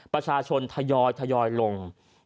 ประชาชนทยอยลง